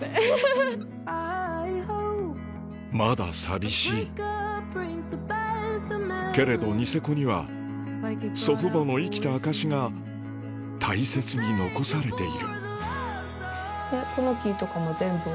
まだ寂しいけれどニセコには祖父母の生きた証しが大切に残されているねぇ。